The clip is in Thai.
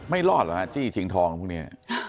ไม่รอดเหรอฮะจี้ชิงทองพวกนี้